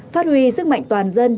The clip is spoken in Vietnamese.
phát huy sức mạnh toàn dân